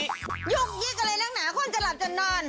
ยุ่งยิกอะไรแหล่งหนาคนจะหลับจะนอน